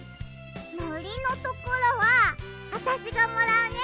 のりのところはあたしがもらうね。